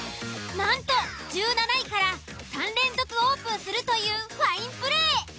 なんと１７位から３連続オープンするというファインプレー。